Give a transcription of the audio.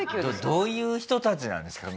どういう人たちなんですか？